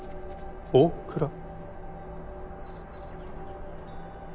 おおくら。